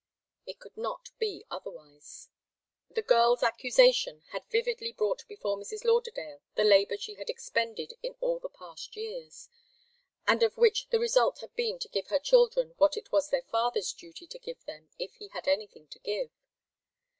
It could not be otherwise. The girl's accusation had vividly brought before Mrs. Lauderdale the labour she had expended in all the past years, and of which the result had been to give her children what it was their father's duty to give them if he had anything to give.